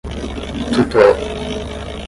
tutor